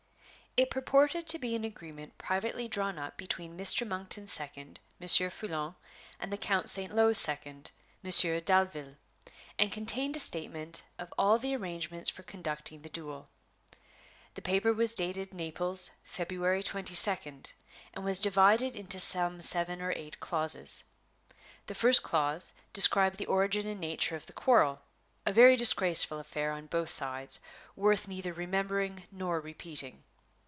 It purported to be an agreement privately drawn up between Mr. Monkton's second, Monsieur Foulon, and the Count St. Lo's second, Monsieur Dalville, and contained a statement of all the arrangements for conducting the duel. The paper was dated "Naples, February 22d," and was divided into some seven or eight clauses. The first clause described the origin and nature of the quarrel a very disgraceful affair on both sides, worth neither remembering nor repeating.